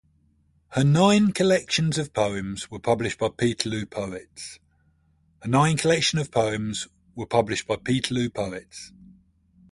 Her nine collections of poems were published by Peterloo Poets.